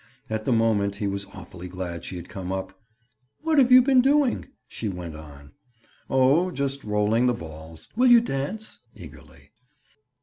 At the moment he was awfully glad she had come up. "What have you been doing?" she went on. "Oh, just rolling the balls. Will you dance?" Eagerly.